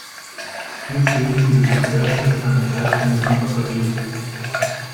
Hier sehen Sie den Querschnitt einer herkömmlichen Batterie.